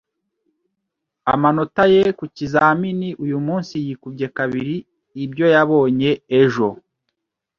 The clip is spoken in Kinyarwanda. Amanota ye ku kizamini uyumunsi yikubye kabiri ibyo yabonye ejo.